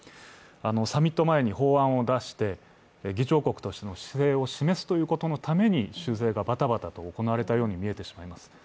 サミット前に法案を出して、議長国としての姿勢を示すことのために修正がバタバタと行われたように見えてしまいます。